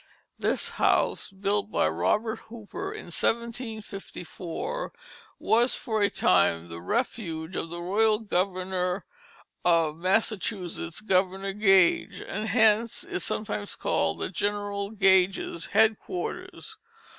This house, built by Robert Hooper in 1754, was for a time the refuge of the royal governor of Massachusetts Governor Gage; and hence is sometimes called General Gage's Headquarters.